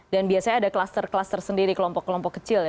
dan biasanya ada kluster kluster sendiri kelompok kelompok kecil